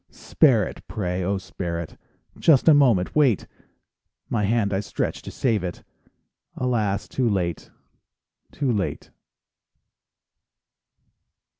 Spare it, pray, oh, spare it, Just a moment wait! My hand I stretch to save it— Alas, too late, too late!